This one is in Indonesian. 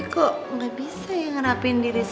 kacaman aku beres